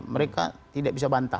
mereka tidak bisa bantah